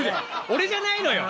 俺じゃないのよ。